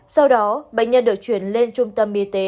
sau đó bệnh nhân được chuyển lên trung tâm y tế